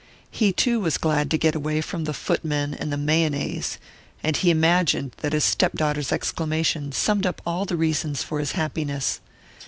He too was glad to get away from the footmen and the mayonnaise, and he imagined that his stepdaughter's exclamation summed up all the reasons for his happiness.